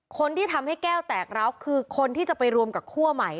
คนที่ทำให้แก้วแตกร้าวคือคนที่จะไปรวมกับคั่วใหม่